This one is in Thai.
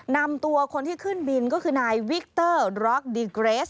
นำตัวคนที่ขึ้นบินก็คือนายวิกเตอร์ร็อกดีเกรส